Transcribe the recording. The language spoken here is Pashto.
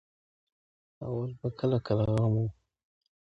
اول به کله کله غم وو.